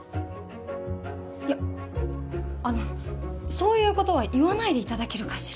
いやあのそういうことは言わないでいただけるかしら。